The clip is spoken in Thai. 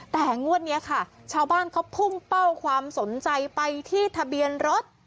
แต่งวดนี้ค่ะชาวบ้านเขาพุ่งเป้าความสนใจไปที่ทะเบียนรถ